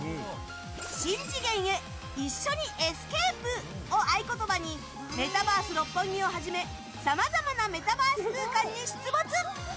「新次元へ、一緒にエスケープ！」を合言葉にメタバース六本木をはじめさまざまなメタバース空間に出没。